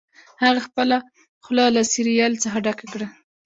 هغه خپله خوله له سیریل څخه ډکه کړه